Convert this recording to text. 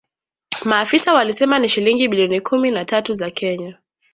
Maafisa walisema ni shilingi bilioni kumi na tatu za Kenya